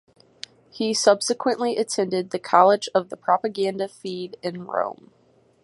He subsequently attended the College of the Propaganda Fide in Rome.